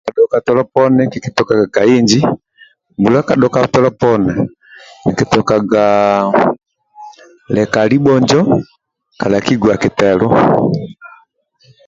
Mbula ka dhoka kikitukaga ka inji mbula ka dhoka tolo poni nki tokaga leka libho njo kala kiguwa kitelu